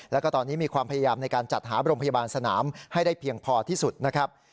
แล้วก็ตอนนี้มีความพยายามในการจัดหาโรงพยาบาลสนามให้ได้เพียงพอที่สุดนะครับ